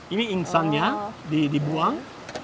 ini insannya dibuang